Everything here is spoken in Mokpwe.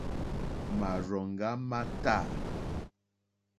Màrzòŋɡá má tâ.